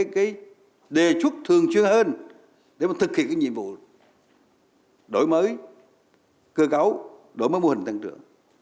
cái đề xuất thường chưa hơn để mà thực hiện cái nhiệm vụ đổi mới cơ cấu đổi mới mô hình tăng trưởng